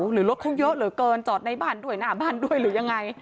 หรือรถเขาเยอะเหลือเกินจอดในบ้านด้วยหน้าบ้านด้วยหรือยังไง